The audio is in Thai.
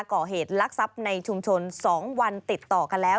ก่อเหตุลักษัพในชุมชน๒วันติดต่อกันแล้ว